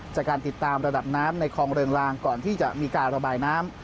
จากการติดตามระดับน้ำในคลองเริงลางก่อนที่จะมีการระบายน้ำ